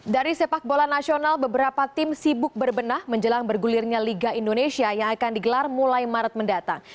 dari sepak bola nasional beberapa tim sibuk berbenah menjelang bergulirnya liga indonesia yang akan digelar mulai maret mendatang